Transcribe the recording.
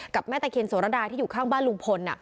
แม่ตะเคียนโสรดาที่อยู่ข้างบ้านลุงพล